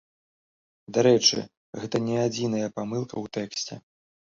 Дарэчы, гэта не адзіная памылка ў тэксце.